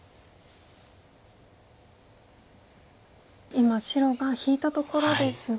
今白が引いたところですが。